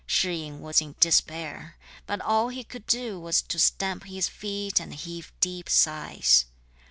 Shih yin was in despair, but all he could do was to stamp his feet and heave deep sighs.